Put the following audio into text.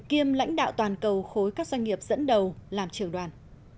kiêm lãnh đạo toàn cầu khối các doanh nghiệp dẫn đầu làm trưởng đoàn